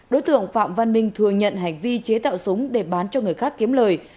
đối tượng phạm văn minh thừa nhận hành vi chế tạo súng để bán cho người khác kiếm lời